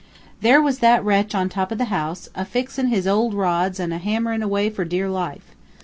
"There was that wretch on top of the house, a fixin' his old rods and hammerin' away for dear life.